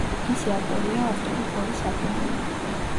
მისი ავტორია ავტორი ბორის აკუნინი.